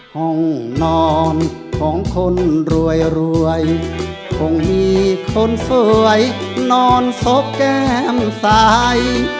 ห้องนอนของคนรวยรวยคงมีคนสวยนอนซบแก้มซ้าย